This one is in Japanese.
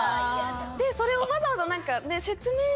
それをわざわざ。